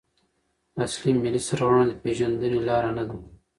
اصل ملي سرغړونه د پیژندني لاره نده.